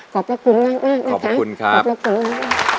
ขอบพระคุณมากมากนะคะขอบพระคุณครับขอบพระคุณมากมาก